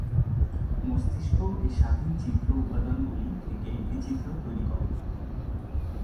মস্তিষ্ক এই স্বাধীন চিত্র উপাদানগুলি থেকে একটি চিত্র তৈরি করে।